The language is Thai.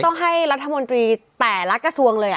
ต้องให้รัฐมนตรีแต่ละกระทรวงเลย